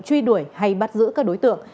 truy đuổi hay bắt giữ các đối tượng